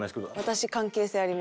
私関係性あります。